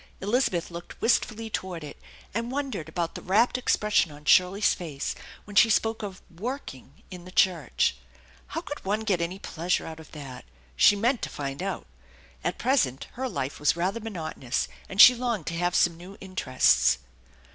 Elizabeth looked wistfully toward it, and wondered about the rapt expression on Shirley's face when she spoke of " working " in the church. How could one get any pleasure out of that ? She meant to find out. At present her life was rather monotonous, and she longed to have some new interests.